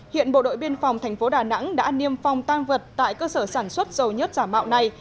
hiện bộ đội biên phòng thành phố đà nẵng đã niêm phòng tan vật tại cơ sở sản xuất dầu nhất giả mạo này